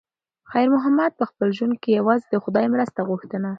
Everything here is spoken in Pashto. خیر محمد په خپل ژوند کې یوازې د خدای مرسته غوښته.